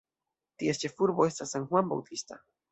Ties ĉefurbo estas San Juan Bautista.